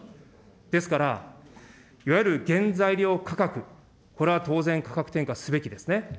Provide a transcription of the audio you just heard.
ですから、いわゆる原材料価格、これは当然価格転嫁すべきですね。